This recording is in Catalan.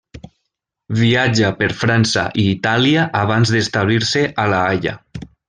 Viatja per França i Itàlia abans d'establir-se a La Haia.